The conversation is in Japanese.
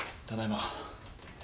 ただいま。